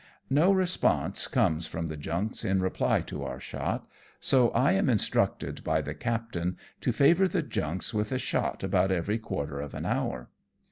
No response comes from the junks in reply to our shot, so I am instructed by the captain to favour the junks with a shot about every quarter of an hour.